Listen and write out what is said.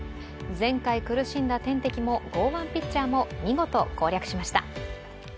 前回苦しんだ天敵も豪腕ピッチャーも見事攻略しました。